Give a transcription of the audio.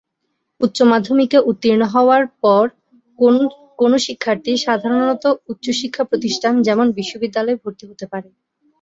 উচ্চ মাধ্যমিকে উত্তীর্ণ হওয়ার পর কোন শিক্ষার্থী সাধারণত উচ্চ শিক্ষা প্রতিষ্ঠান যেমন, বিশ্ববিদ্যালয়ে ভর্তি হতে পারে।